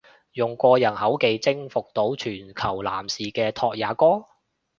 用過人口技征服到全球男士嘅拓也哥！？